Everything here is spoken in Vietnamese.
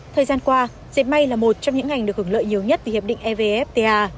thời gian qua diệt mây là một trong những ngành được hưởng lợi nhiều nhất vì hiệp định evfta